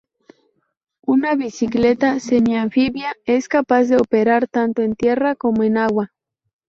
Una bicicleta semi-anfibia es capaz de operar tanto en tierra como en agua.